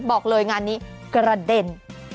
บอกเลยงานนี้กระเด็น